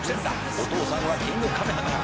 「お父さんはキングカメハメハ」